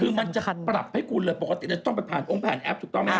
คือมันจะปรับให้คุณเลยปกติจะต้องไปผ่านองค์ผ่านแอปถูกต้องไหมครับ